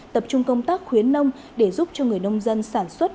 tập trung công tác khuyến nông để giúp cho người nông dân sản xuất